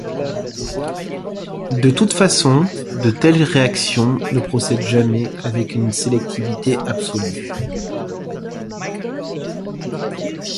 De toutes façons, de telles réactions ne procèdent jamais avec une sélectivité absolue.